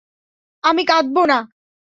আমি কাঁদবো না।